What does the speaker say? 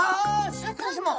シャーク香音さま。